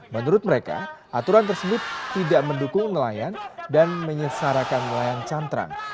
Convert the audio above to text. menurut mereka aturan tersebut tidak mendukung nelayan dan menyesarakan nelayan cantrang